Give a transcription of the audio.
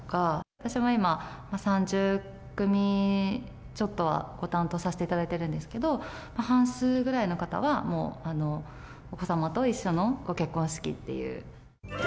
私も今、３０組ちょっとはご担当させていただいているんですけど、半数ぐらいの方はもう、お子様と一緒のご結婚式という。